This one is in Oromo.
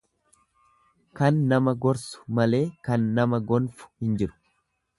Kan nama gorsu malee kan nama gonfu hin jiru.